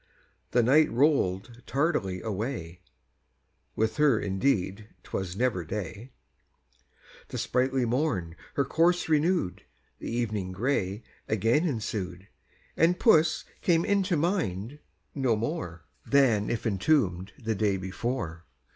The night roll'd tardily away, (With her indeed 'twas never day,) The sprightly morn her course renew'd, The evening grey again ensued, And puss came into mind no more Than if entomb'd the day before.